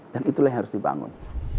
dan itulah yang harus dibangun